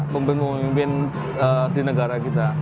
pemimpin pemimpin di negara kita